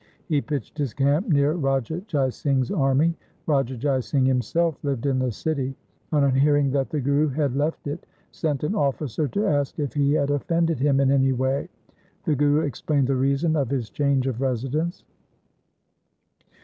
He pitched his camp near Raja Jai Singh's army. Raja Jai Singh himself lived in the city, and on hearing that the Guru had left it, sent an officer to ask if he had offended him in any way. The Guru explained the reason of his change of residence.